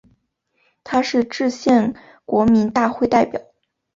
他是制宪国民大会代表。